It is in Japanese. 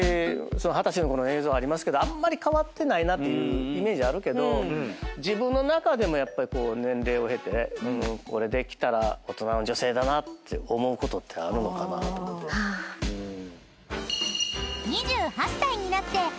二十歳のころの映像ありますけどあんまり変わってないなってイメージあるけど自分の中でも年齢を経てこれできたら大人の女性だなって思うことってあるのかなと思って。